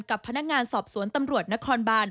กับพนักงานสอบสวนตำรวจนครบาน